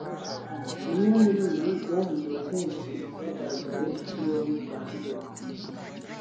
Bimwe muribi byahinduwe kenshi byagaragaye mu turere twa kigali